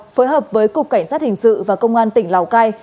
phối hợp với cục cảnh sát hình sự và công an tỉnh lào cai